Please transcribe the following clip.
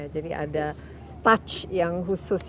jadi ada touch yang khusus